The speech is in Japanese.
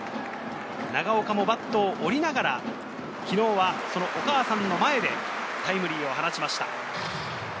長岡もバットを折りながら、昨日はそのお母さんの前でタイムリーを放ちました。